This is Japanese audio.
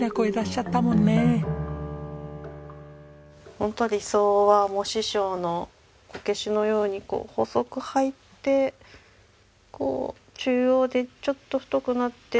本当理想は師匠のこけしのように細く入ってこう中央でちょっと太くなってスッと抜ける。